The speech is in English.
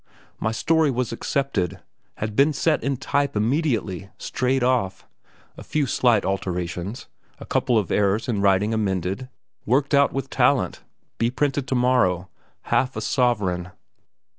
My story was accepted had been set in type immediately, straight off! A few slight alterations.... A couple of errors in writing amended.... Worked out with talent ... be printed tomorrow ... half a sovereign.